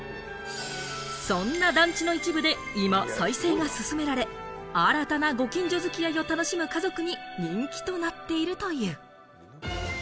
そんな団地の一部で今、再生が進められ、新たなご近所付き合いを楽しむ家族に人気となっているという。